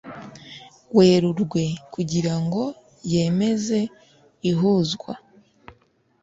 Werurwe kugira ngo yemeze ihuzwa